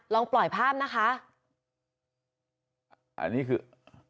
ลองปล่อยภาพนะคะอันนี้คือ